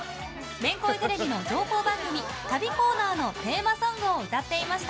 めんこいテレビの情報番組旅コーナーのテーマソングを歌っていました。